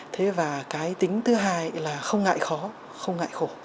thế và cái tính thứ hai là không ngại khó không ngại khổ